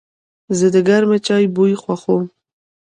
زه د گرمې چای بوی خوښوم.